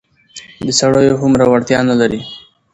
د سړيو هومره وړتيا نه لري.